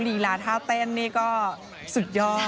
ลีลาท่าเต้นนี่ก็สุดยอด